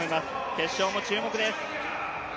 決勝も注目です。